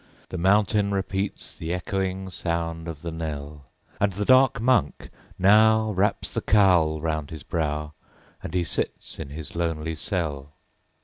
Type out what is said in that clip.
The mountain repeats The echoing sound of the knell; And the dark Monk now Wraps the cowl round his brow, _5 As he sits in his lonely cell.